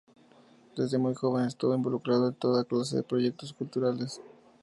Desde muy joven estuvo involucrado en toda clase de proyectos culturales.